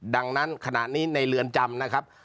ดังนั้นขณะนี้ในเรือนจำนะครับ